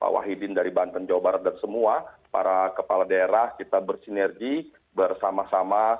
wahidin dari banten jawa barat dan semua para kepala daerah kita bersinergi bersama sama